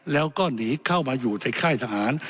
แล้วก็หนีเข้ามาอยู่ในค่ายทหาร